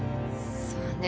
そうね。